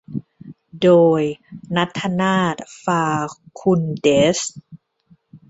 โดย ณัฐนาถ ฟาคุนเด๊ซ